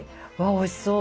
おいしそう。